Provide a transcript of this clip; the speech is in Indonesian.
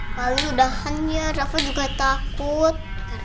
malu dahan ya rafa juga takut